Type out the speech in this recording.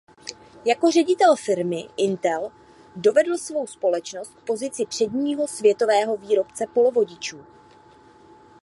Jako ředitel firmy Intel dovedl svou společnost k pozici předního světové výrobce polovodičů.